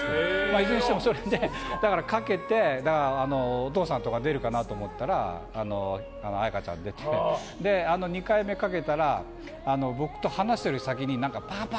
いずれにしても、かけてお父さんとかが出るかなと思ったら綾香ちゃんが出て２回目かけたら僕と話すより先にパパ！